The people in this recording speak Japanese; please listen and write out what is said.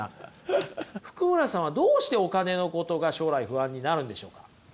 福村さんはどうしてお金のことが将来不安になるんでしょうか？